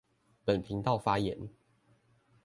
本頻道發言